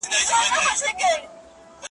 ما یې کړي پر شنېلیو اتڼونه `